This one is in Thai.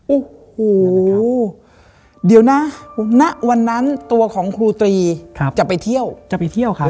โอ้โหเดี๋ยวนะณวันนั้นตัวของครูตรีจะไปเที่ยวจะไปเที่ยวครับ